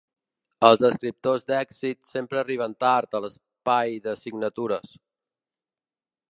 Els escriptors d'èxit sempre arriben tard a l'espai de signatures.